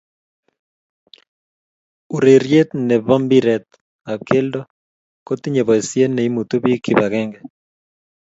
urerie ne bi mpiret ab kelto ko tinye boisie ne imutuu biik kibakenge.